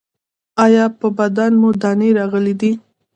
ایا په بدن مو دانې راغلي دي؟